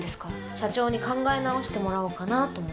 社長に考え直してもらおうかなと思って。